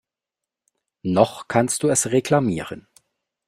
Noch kannst du es reklamieren.